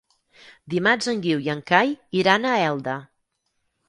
Dimarts en Guiu i en Cai iran a Elda.